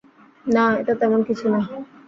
না, এটা তেমন কিছুনা।